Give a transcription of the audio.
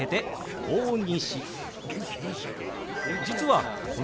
「大西」。